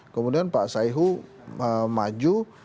kemudian pak saeho maju